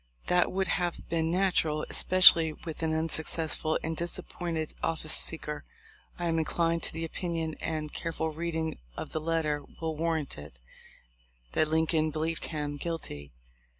That would have been natural, especially with an unsuccessful and disappointed office seeker. I am inclined to the opinion, and a careful reading of the letter will warrant it, that Lincoln believed him guilty.